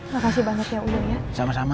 makasih banget ya ulu ya sama sama